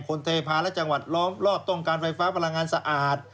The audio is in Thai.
เทพาะและจังหวัดล้อมรอบต้องการไฟฟ้าพลังงานสะอาด